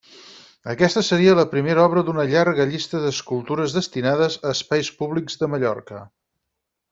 Aquesta seria la primera obra d’una llarga llista d’escultures destinades a espais públics de Mallorca.